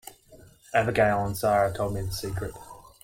Abigail and Sara told me the secret.